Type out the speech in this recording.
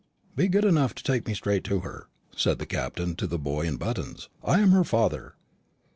"Be good enough to take me straight to her," said the Captain to the boy in buttons; "I am her father."